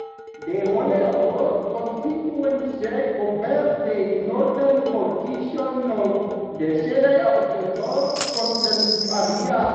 The Holyrood constituency covered a northern portion of the City of Edinburgh council area.